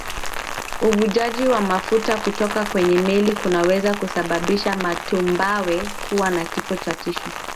Uvujaji wa mafuta kutoka kwenye meli kunaweza kusababisha matumbawe kuwa na kifo cha tishu